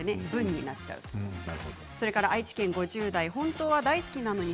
それから愛知県５０代の方です。